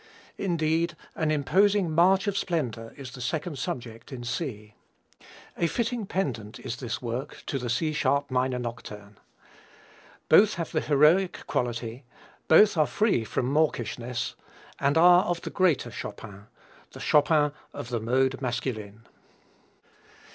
Indeed, an imposing march of splendor is the second subject in C. A fitting pendant is this work to the C sharp minor Nocturne. Both have the heroic quality, both are free from mawkishness and are of the greater Chopin, the Chopin of the mode masculine.